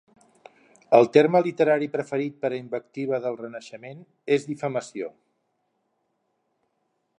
El terme literari preferit per a invectiva del Renaixement és difamació.